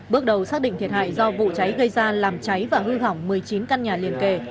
bước đầu xác định thiệt hại do vụ cháy gây ra làm cháy và hư hỏng một mươi chín căn nhà liền kề